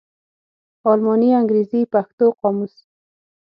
الماني _انګرېزي_ پښتو قاموس